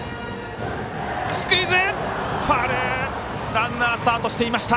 ランナースタートしていました。